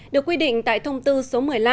được quy định tại thông tư số một mươi năm